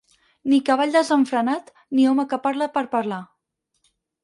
Ni cavall desenfrenat, ni home que parle per parlar.